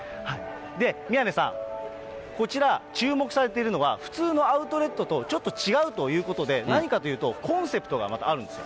で、宮根さん、こちら、注目されているのは、普通のアウトレットとちょっと違うということで、何かというと、コンセプトがまたあるんですよ。